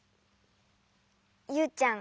ユウちゃん